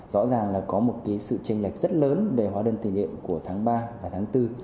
rõ ràng là có một sự tranh lệch rất lớn về hóa đơn tiền điện của tháng ba và tháng bốn